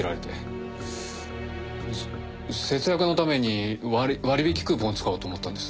節約のために割引クーポンを使おうと思ったんです。